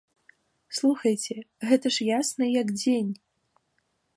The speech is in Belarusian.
Слухайце, гэта ж ясна, як дзень.